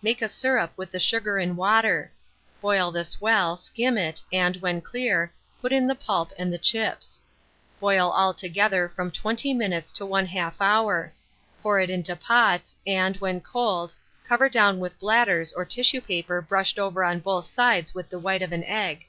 Make a syrup with the sugar and water; boil this well, skim it, and, when clear, put in the pulp and chips. Boil all together from 20 minutes to 1/2 hour; pour it into pots, and, when cold, cover down with bladders or tissue paper brushed over on both sides with the white of an egg.